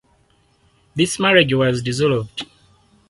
This marriage was dissolved.